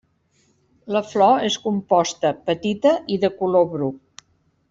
La flor és composta, petita i de color bru.